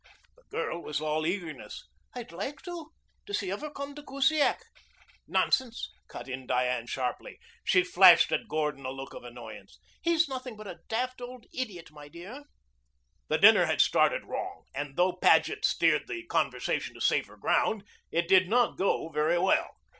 The girl was all eagerness. "I'd like to. Does he ever come to Kusiak?" "Nonsense!" cut in Diane sharply. She flashed at Gordon a look of annoyance. "He's nothing but a daft old idiot, my dear." The dinner had started wrong, and though Paget steered the conversation to safer ground, it did not go very well.